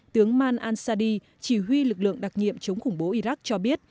tướng man an sadi chỉ huy lực lượng đặc nhiệm chống khủng bố iraq cho biết